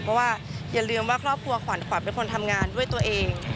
เพราะว่าอย่าลืมว่าครอบครัวขวัญขวัญเป็นคนทำงานด้วยตัวเอง